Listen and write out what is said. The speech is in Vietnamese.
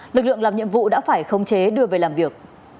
lực lượng làm nhiệm vụ đã phải khống chế đưa về làm việc